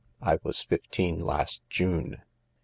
I was fifteen last June."